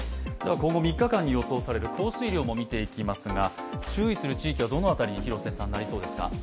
今後３日間に予想される降水量も見ていきますが注意する地域はどの辺りになりそうですか？